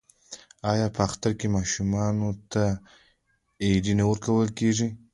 آیا په اختر کې ماشومانو ته ایډي نه ورکول کیږي؟